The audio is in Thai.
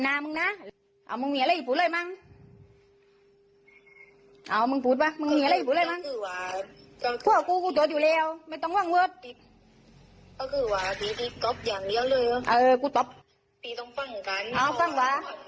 ที่นี่ตำรวจเนี่ยนะก็ต้องเก็บร่วมทางรวมทางด้วยนะครับ